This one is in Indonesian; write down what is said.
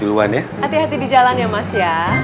duluan yah hati hati di jalan yah mas yah